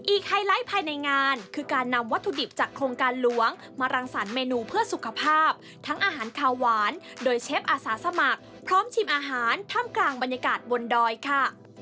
ไฮไลท์ภายในงานคือการนำวัตถุดิบจากโครงการหลวงมารังสรรคเมนูเพื่อสุขภาพทั้งอาหารขาวหวานโดยเชฟอาสาสมัครพร้อมชิมอาหารท่ามกลางบรรยากาศบนดอยค่ะ